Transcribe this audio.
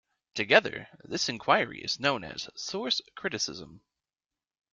Together, this inquiry is known as source criticism.